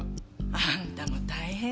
あんたも大変ねえ。